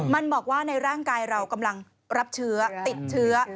มันบอกว่าในร่างกายเรากำลังรับเชื้อติดเชื้อ